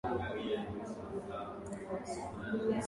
Pia alishinda América mwaka wa elfu moja mia tisa tisini na saba